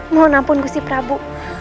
mohon ampun gusiratu